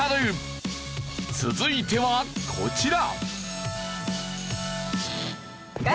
続いてはこちら。